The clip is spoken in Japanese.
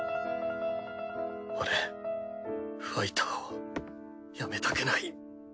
俺ファイトをやめたくない！